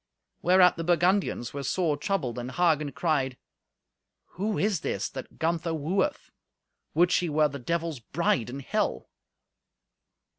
Whereat the Burgundians were sore troubled, and Hagen cried, "Who is this that Gunther wooeth? Would she were the Devil's bride in Hell!"